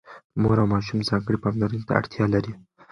مور او ماشوم ځانګړې پاملرنې ته اړتيا لري.